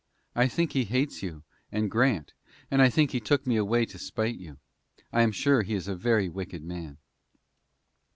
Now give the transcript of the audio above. I think he hates you and Grant, and I think he took me away to spite you. I am sure he is a very wicked man.